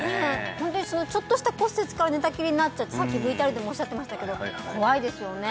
ホントにちょっとした骨折から寝たきりになっちゃうってさっきＶＴＲでもおっしゃってましたけど怖いですよね